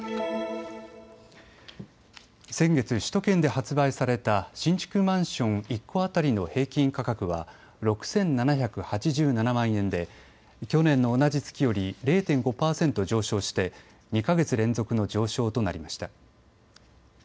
先月、首都圏で発売された新築マンション１戸当たりの平均価格は６７８７万円で去年の同じ月より０．５％上昇して２か月連続の上昇となりました。